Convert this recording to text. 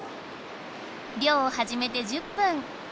漁をはじめて１０分。